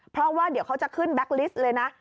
เพราะว่าเดี๋ยวเขาจะขึ้นแบ็คลิสต์เลยนะ